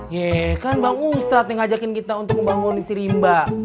iya kan bang ustadz yang ngajakin kita untuk ngebangun di sirimba